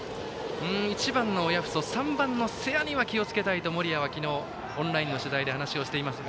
１番、親富祖３番、瀬谷には気をつけたいと森谷は昨日、オンラインの取材で話をしていました。